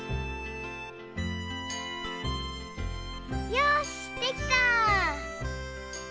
よしできた！